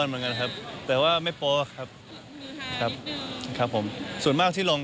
มีมาเซลล์แปลกไหมคะ